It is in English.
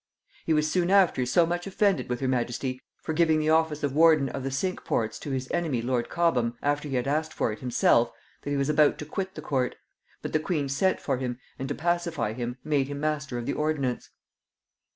He was soon after so much offended with her majesty for giving the office of warden of the cinque ports to his enemy lord Cobham, after he had asked it for himself, that he was about to quit the court; but the queen sent for him, and, to pacify him, made him master of the ordnance.